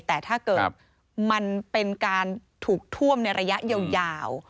แต่ถ้าเกิดมันเป็นการถูกท่วมในระยะยาว